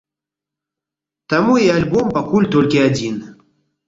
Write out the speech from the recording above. Таму і альбом пакуль толькі адзін.